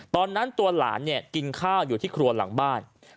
ตอนนั้นตัวหลานเนี่ยกินข้าวอยู่ที่ครัวหลังบ้าน